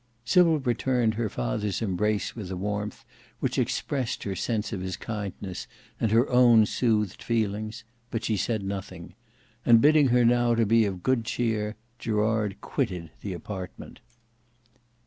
Sybil returned her father's embrace with a warmth which expressed her sense of his kindness and her own soothed feelings, but she said nothing; and bidding her now to be of good cheer, Gerard quitted the apartment.